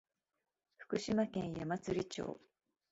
福島県矢祭町